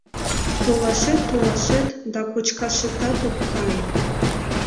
Толашет-толашет да кочкашетат от кае...